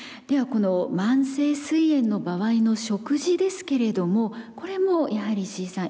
この慢性すい炎の場合の食事ですけれどもこれもやはり石井さん